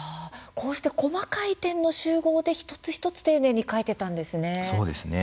こうして細かい点の集合で一つ一つ、丁寧に描いていったんですね。